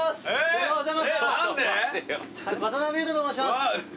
渡辺裕太と申します。